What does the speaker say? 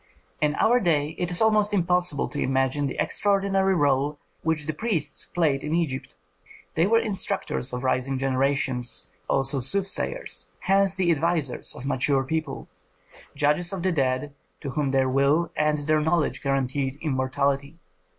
In our day it is almost impossible to imagine the extraordinary rôle which the priests played in Egypt. They were instructors of rising generations, also soothsayers, hence the advisers of mature people, judges of the dead, to whom their will and their knowledge guaranteed immortality.